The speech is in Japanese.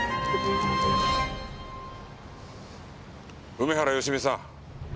梅原芳美さん。